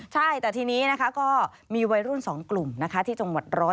ใช่แต่ทีนี้ก็มีวัยรุ่น๒กลุ่มที่จงหมด๑๐๑